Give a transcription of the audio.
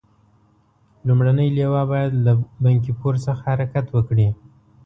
لومړنۍ لواء باید له بنکي پور څخه حرکت وکړي.